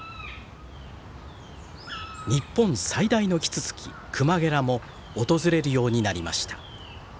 日本最大のキツツキクマゲラも訪れるようになりました。